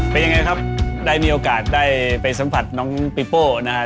เป็นยังไงครับได้มีโอกาสได้ไปสัมผัสน้องปีโป้นะครับ